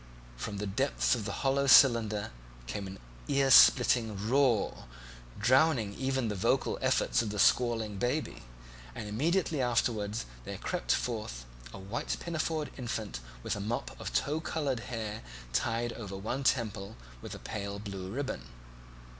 From the hollow depths of the cylinder came an earsplitting roar, drowning even the vocal efforts of the squalling baby, and immediately afterwards there crept forth a white pinafored infant with a mop of tow coloured hair tied over one temple with a pale blue ribbon.